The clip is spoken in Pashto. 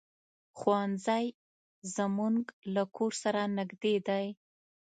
ښوونځی زمونږ له کور سره نږدې دی.